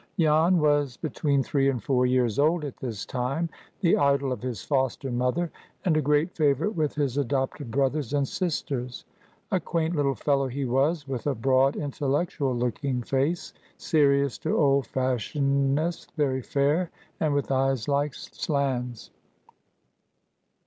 Jan was between three and four years old at this time, the idol of his foster mother, and a great favorite with his adopted brothers and sisters. A quaint little fellow he was, with a broad, intellectual looking face, serious to old fashionedness, very fair, and with eyes "like slans."